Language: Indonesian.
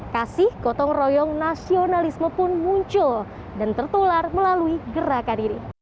kasih gotong royong nasionalisme pun muncul dan tertular melalui gerakan ini